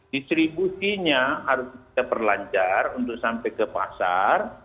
distribusinya harus kita perlancar untuk sampai ke pasar